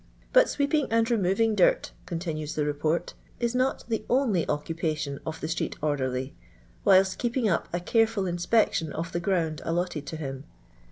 " But sweeping and removing dirt," con tinues the Report, " is not the only occupation of the street orderly, whiUt keeping up a careful inspection of tho ground allotted to him.